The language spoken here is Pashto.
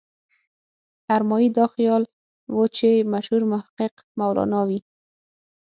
ارمایي دا خیال و چې مشهور محقق مولانا وي.